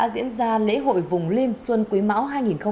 đã diễn ra lễ hội vùng lim xuân quý mão hai nghìn hai mươi ba